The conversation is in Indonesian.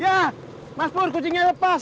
ya mas por kucingnya lepas